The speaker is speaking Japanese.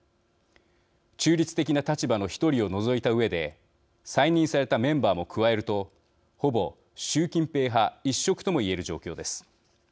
中立的な立場の１人を除いたうえで再任されたメンバーも加えるとほぼ、習近平派一色ともいえる状況です。